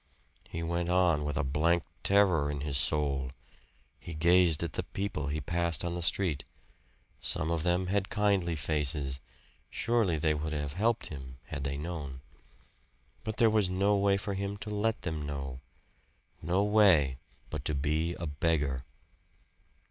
He went on with a blank terror in his soul. He gazed at the people he passed on the street; some of them had kindly faces surely they would have helped him had they known. But there was no way for him to let them know no way but to be a beggar!